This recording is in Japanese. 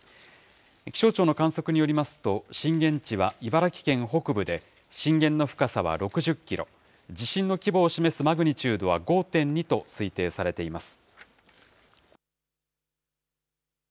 気象庁の観測によりますと、震源地は茨城県北部で、震源の深さは６０キロ、地震の規模を示すマグニチュードは５．２と推定されています。